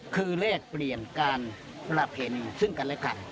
คือแลกเปลี่ยนการประเพ็ญซึ่งกันและกัน